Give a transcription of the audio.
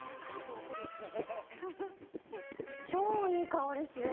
超いい香りする！